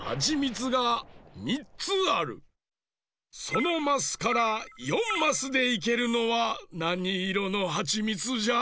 そのマスから４マスでいけるのはなにいろのはちみつじゃ？